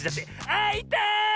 あいたい！